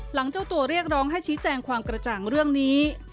เจ้าตัวเรียกร้องให้ชี้แจงความกระจ่างเรื่องนี้